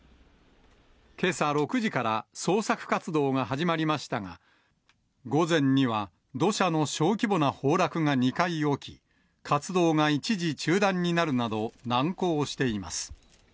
けさ６時から捜索活動が始まりましたが、午前には土砂の小規模な崩落が２回起き、活動が一時中断になるなど、難航しています。